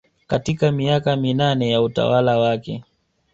katika miaka minane ya utawala wake